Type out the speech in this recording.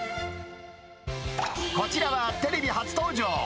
こちらは、テレビ初登場。